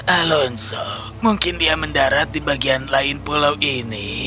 alonso mungkin dia mendarat di bagian lain pulau ini